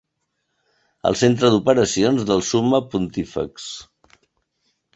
El centre d'operacions del Summe Pontífex.